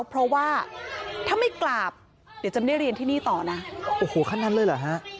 เพราะว่าถ้าไม่กราบเดี๋ยวจะไม่ได้เรียนที่นี่ต่อนะโอ้โหขั้นนั้นเลยเหรอฮะ